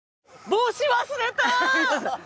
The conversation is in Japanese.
帽子忘れたーっ！